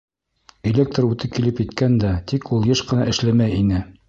Электр уты килеп еткән дә, тик ул йыш ҡына эшләмәй ине.